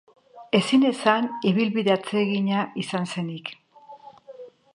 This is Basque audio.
Ezin esan ibilbide atsegina izan zenik.